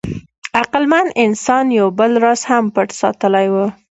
عقلمن انسان یو بل راز هم پټ ساتلی و.